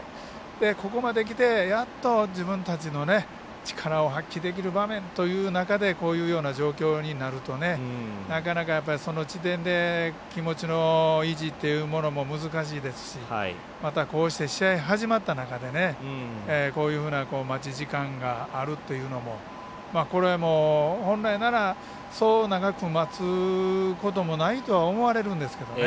ここまできて、やっと自分たちの力を発揮できる場面という中でこういうような状況になるとなかなか気持ちの維持というのも難しいですしこうして試合が始まった中でこういうふうな待ち時間があるというのもこれも本来ならそう長く待つこともないとは思われるんですけどね。